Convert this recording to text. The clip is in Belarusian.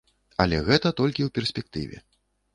Але гэта толькі ў перспектыве.